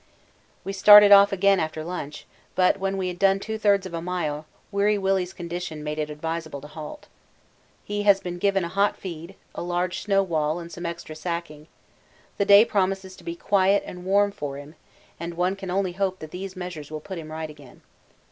We started off again after lunch, but when we had done two thirds of a mile, W.W.'s condition made it advisable to halt. He has been given a hot feed, a large snow wall, and some extra sacking the day promises to be quiet and warm for him, and one can only hope that these measures will put him right again.